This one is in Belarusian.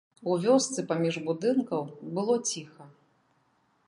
У вёсцы паміж будынкаў было ціха.